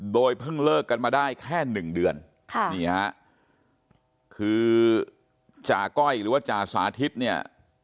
โดยเพิ่งเลิกกันมาได้แค่๑เดือนคือจากก้อยหรือว่าจาสาธิตเนี่ย